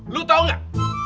lu tau gak